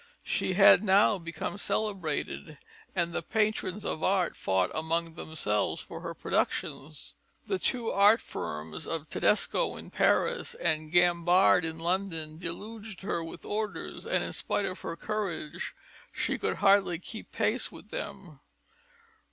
She had now become celebrated, and the patrons of art fought among themselves for her productions. The two art firms of Tedesco in Paris and Gambard in London deluged her with orders; and, in spite of her courage, she could hardly keep pace with them.